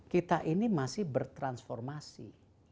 kita ini masih bertransformasi